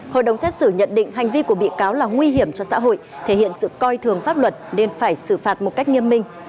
hội đồng xét xử nhận định hành vi của bị cáo là nguy hiểm cho xã hội thể hiện sự coi thường pháp luật nên phải xử phạt một cách nghiêm minh